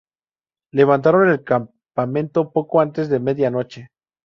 Levantaron el campamento poco antes de media noche.